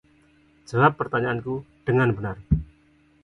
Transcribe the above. Jawab pertanyaanku dengan benar.